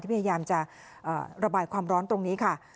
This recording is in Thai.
พยายามจะระบายความร้อนตรงนี้ค่ะ